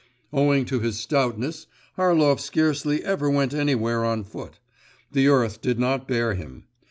Owing to his stoutness, Harlov scarcely ever went anywhere on foot: the earth did not bear him.